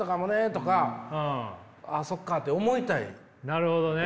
なるほどね。